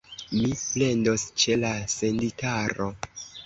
Mi plendos ĉe la senditaro.